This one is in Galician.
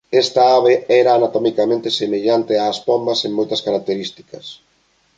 Esta ave era anatomicamente semellante ás pombas en moitas características.